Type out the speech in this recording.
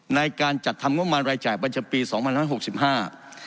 ในการจัดทำงบังวลมารายจ่ายปัจจัยปีสองพันห้าหกสิบห้า